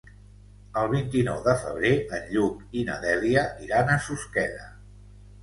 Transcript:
El vint-i-nou de febrer en Lluc i na Dèlia iran a Susqueda.